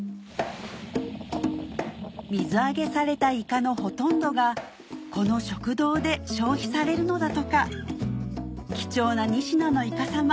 水揚げされたイカのほとんどがこの食堂で消費されるのだとか貴重な仁科のいか様